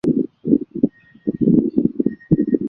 棕竹为棕榈科棕竹属下的一个种。